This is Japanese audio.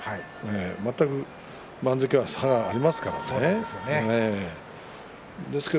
全く番付差がありますからね。